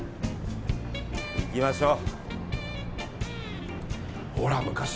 行きましょう。